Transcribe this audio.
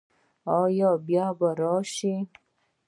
ایا بیا به راشئ؟